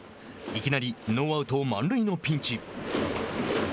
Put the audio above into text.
いきなりノーアウト、満塁のピンチ。